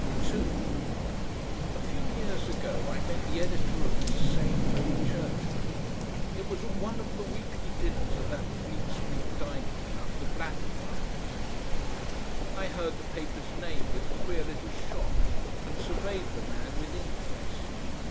2 A few years ago I met the editor of this same HOME CHURCHMAN. It was at one of the weekly dinners of that Fleet Street dining club, the Blackfriars. I heard the paper's name with a queer little shock and surveyed the man with interest.